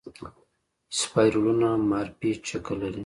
اسپایرلونه مارپیچ شکل لري.